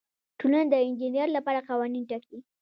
ټولنه د انجینر لپاره قوانین ټاکي.